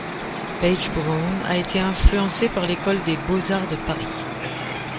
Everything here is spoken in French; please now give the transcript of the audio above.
Page Brown a été influencé par l'École des beaux-arts de Paris.